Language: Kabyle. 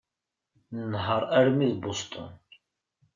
Nenheṛ armi d Boston.